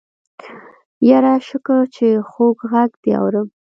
يره شکر چې خوږ غږ دې اورم.